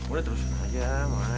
udah terusin aja main